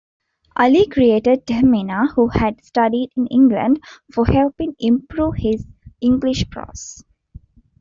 Ali credited Tehmina, who had studied in England, for helping improve his English prose.